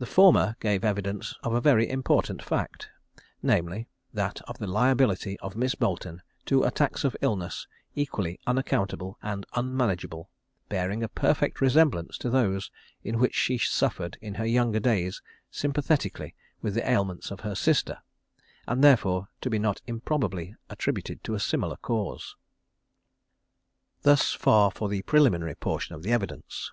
The former give evidence of a very important fact; namely, that of the liability of Miss Boleton to attacks of illness equally unaccountable and unmanageable, bearing a perfect resemblance to those in which she suffered in her younger days sympathetically with the ailments of her sister; and, therefore, to be not improbably attributed to a similar cause. Thus far for the preliminary portion of the evidence.